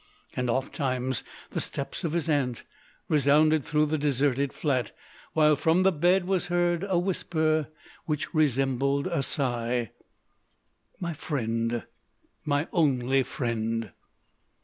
And ofttimes the steps of his Aunt resounded through the deserted flat, while from the bed was heard a whisper, which resembled a sigh: "My friend, my only friend!"